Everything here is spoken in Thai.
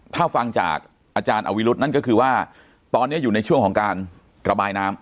ถ้าฟังจากอาจารย์อวิรุธนั่นก็คือว่าตอนนี้อยู่ในช่วงของการระบายน้ำ